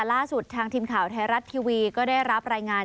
ล่าสุดทางทีมข่าวไทยรัฐทีวีก็ได้รับรายงาน